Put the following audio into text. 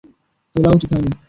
তোলা উচিৎ হয়নি।